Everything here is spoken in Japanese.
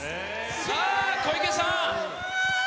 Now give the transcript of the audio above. さあ、小池さん。